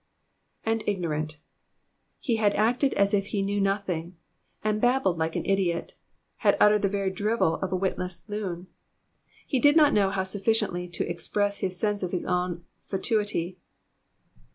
''''And ignorant.'' "* He had acted as if he knew nothing, had babbled like an idiot, had uttered the very drivel of a witless loon. He did not know how sufficiently to express his sense of his own fatuity.